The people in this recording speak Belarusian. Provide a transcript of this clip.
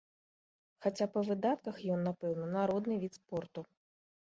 Хаця па выдатках ён, напэўна, народны від спорту.